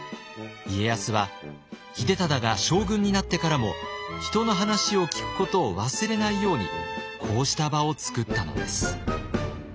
家康は秀忠が将軍になってからも人の話を聞くことを忘れないようにこうした場を作ったのです。